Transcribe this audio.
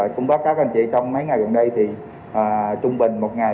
cũng với các anh chị trong mấy ngày gần đây thì trung bình một ngày